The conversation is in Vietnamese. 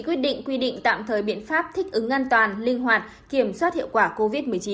quyết định quy định tạm thời biện pháp thích ứng an toàn linh hoạt kiểm soát hiệu quả covid một mươi chín